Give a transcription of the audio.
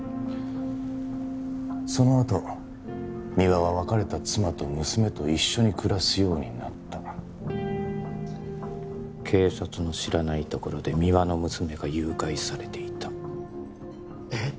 そのあと三輪は別れた妻と娘と一緒に暮らすようになった警察の知らないところで三輪の娘が誘拐されていたえっ？